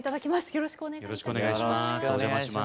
よろしくお願いします。